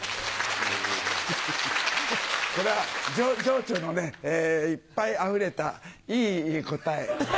これは情緒のいっぱい溢れたいい答え。